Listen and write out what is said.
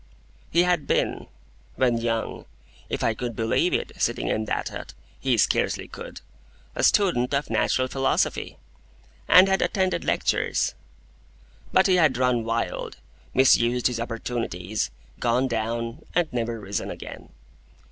He had been, when young (if I could believe it, sitting in that hut,—he scarcely could), a student of natural philosophy, and had attended lectures; but he had run wild, misused his opportunities, gone down, and never risen again.